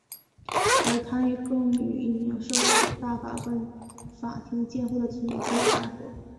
而且他更与一名受大法官法庭监护的女子堕入爱河。